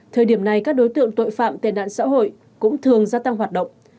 thời điểm này các đối tượng tội phạm tệ nạn xã hội cũng thường gia tăng hoạt động